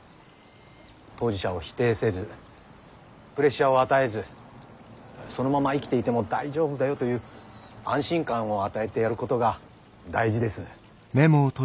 当事者を否定せずプレッシャーを与えずそのまま生きていても大丈夫だよという安心感を与えてやることが大事です。